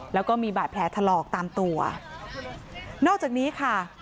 แล้วก็มีบาดแผลถลอกตามตัวนอกจากนี้ค่ะ